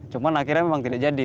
cuma akhirnya memang tidak jadi